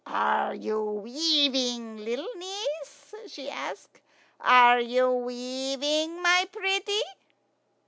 "Are you weaving, little niece?" she asked. "Are you weaving, my pretty?"